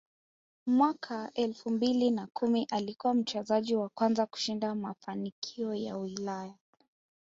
Mwaka elfu mbili na kumi alikuwa mchezaji wa kwanza kushinda mafanikio ya Ulaya